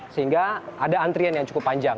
sehingga ada antrian yang cukup panjang